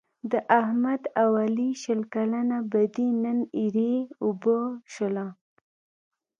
د احمد او علي شل کلنه بدي نن ایرې اوبه شوله.